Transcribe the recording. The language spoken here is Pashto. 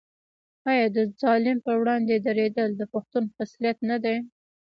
آیا د ظالم پر وړاندې دریدل د پښتون خصلت نه دی؟